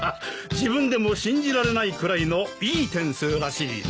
自分でも信じられないくらいのいい点数らしいな。